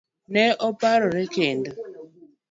Ne oparore kendo.